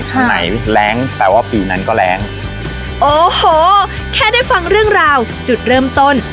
ไหนแรงแปลว่าปีนั้นก็แรงโอ้โหแค่ได้ฟังเรื่องราวจุดเริ่มต้น